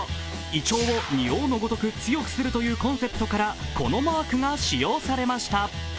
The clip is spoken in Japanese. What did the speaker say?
胃腸を仁王のごとく強くするというコンセプトからこのマークが使用されました。